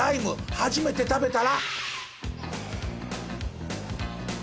初めて食べたら？